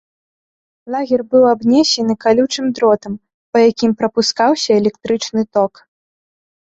Лагер быў абнесены калючым дротам, па якім прапускаўся электрычны ток.